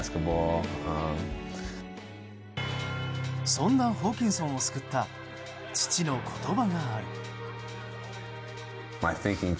そんなホーキンソンを救った父の言葉。